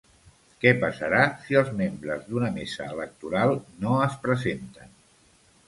Què passarà si els membres d’una mesa electoral no es presenten?